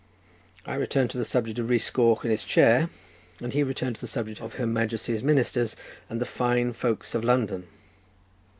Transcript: I returned to the subject of Rhys Goch and his chair, and he returned to the subject of Her Majesty's ministers, and the fine folks of London.